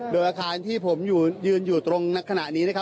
โดยอาคารที่ผมยืนอยู่ตรงขณะนี้นะครับ